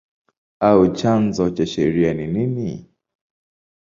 au chanzo cha sheria ni nini?